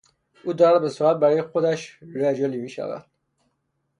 او دارد به سرعت برای خودش رجلی میشود.